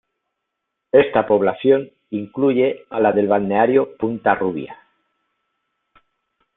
Esta población incluye a la del balneario Punta Rubia.